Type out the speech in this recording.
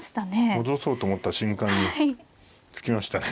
戻そうと思った瞬間に突きましたね。